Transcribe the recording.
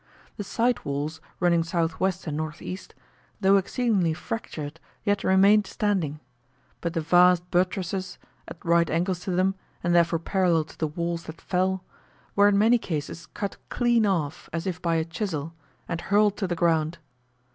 The side walls (running S.W. and N.E.), though exceedingly fractured, yet remained standing; but the vast buttresses (at right angles to them, and therefore parallel to the walls that fell) were in many cases cut clean off, as if by a chisel, and hurled to the ground.